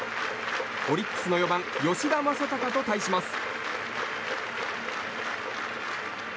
オリックスの４番、吉田正尚と対します。